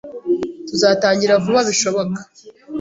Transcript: Tuzatangira vuba bishoboka.